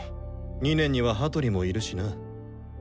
２年には羽鳥もいるしな。